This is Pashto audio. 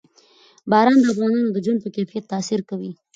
باران د افغانانو د ژوند په کیفیت تاثیر کوي.